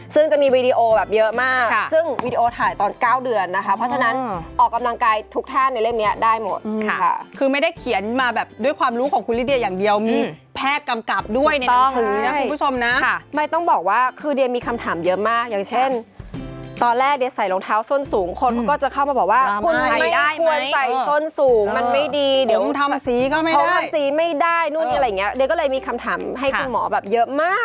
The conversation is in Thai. ซึ่งจะมีวีดีโอแบบเยอะมากซึ่งวีดีโอถ่ายตอนเก้าเดือนนะคะเพราะฉะนั้นออกกำลังกายทุกท่านในเล่มนี้ได้หมดค่ะคือไม่ได้เขียนมาแบบด้วยความรู้ของคุณลีเดียอย่างเดียวมีแพร่กำกับด้วยนะคุณผู้ชมนะไม่ต้องบอกว่าคือเรียนมีคำถามเยอะมากอย่างเช่นตอนแรกใส่รองเท้าส้นสูงคนก็จะเข้ามาบอกว่าคุณไม่ควร